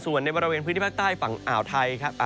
ส่วนในบริเวณพื้นที่ภาคใต้ฝั่งอ่าวไทยครับ